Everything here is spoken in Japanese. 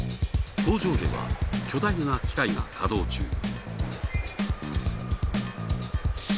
工場では巨大な機械が稼働中。